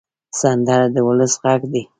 سندره د ولس غږ دی